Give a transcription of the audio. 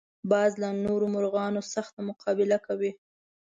باز له نورو مرغانو سخته مقابله کوي